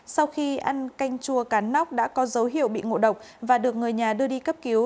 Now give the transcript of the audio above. sau khi ăn canh chua cắn nóc đã có dấu hiệu bị ngộ độc và được người nhà đưa đi cấp cứu